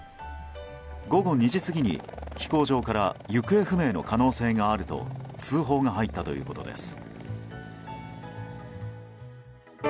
午後２時過ぎに、飛行場から行方不明の可能性があると通報が入ったということです。